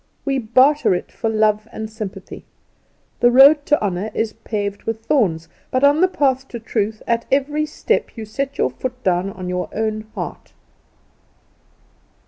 We barter it for love and sympathy. The road to honour is paved with thorns; but on the path to truth, at every step you set your foot down on your own heart.